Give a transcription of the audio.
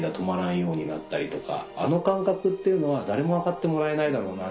んようになったりとか「あの感覚っていうのは誰も分かってもらえないだろうな